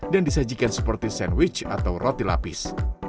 dan disajikan seperti sandwich atau roti lapis